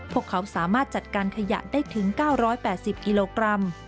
พวกเขาสามารถจัดการขยะได้ถึงเก้าร้อยแปดสิบกิโลกรัม